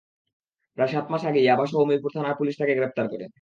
প্রায় সাত মাস আগে ইয়াবাসহ মিরপুর থানার পুলিশ তাঁকে গ্রেপ্তার করে।